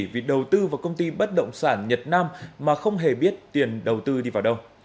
vì đầu tư vào công ty bất động sản nhật nam mà không hề biết tiền đầu tư đi vào đâu